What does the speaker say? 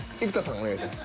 お願いします。